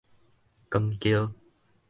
扛轎